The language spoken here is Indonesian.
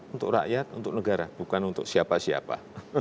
untuk rakyat untuk negara bukan untuk siapa siapa